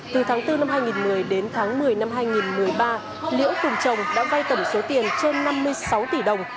từ tháng bốn năm hai nghìn một mươi đến tháng một mươi năm hai nghìn một mươi ba liễu cùng chồng đã vay tổng số tiền trên năm mươi sáu tỷ đồng